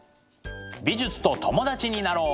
美術と友達になろう！